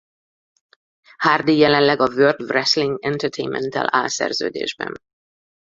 Hardy jelenleg a World Wrestling Entertainmenttel áll szerződésben.